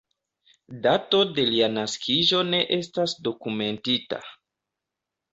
Dato de lia naskiĝo ne estas dokumentita.